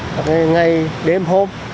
hoặc là ngày đêm hôm